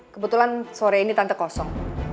kebetulan sore ini tante kosong